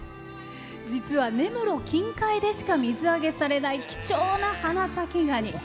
実は、根室近海でしか水揚げされない貴重な花咲ガニ。